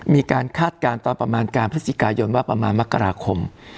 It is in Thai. คาดการณ์ตอนประมาณการพฤศจิกายนว่าประมาณมกราคม